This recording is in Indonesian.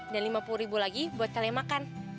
dan lima puluh ribu lagi buat kalian makan